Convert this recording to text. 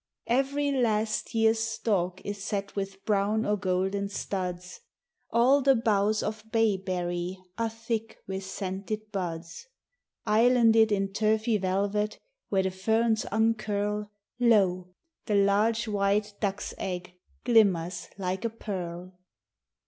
THE SEASONS. 85 Every last year's stalk is set with brown or golden studs; All the boughs of bayberry are thick with scented buds ; Islanded in turfy velvet, where the ferns uncurl, Lo! the large white duck's egg glimmers Like a pearl